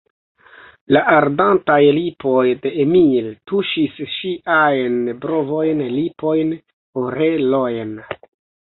La ardantaj lipoj de Emil tuŝis ŝiajn brovojn, lipojn, orelojn.